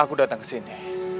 aku datang kesini